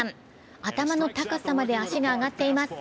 頭の高さまで足が上がっています。